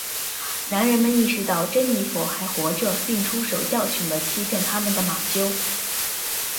男人们意识到珍妮佛还活着并出手教训了欺骗他们的马修。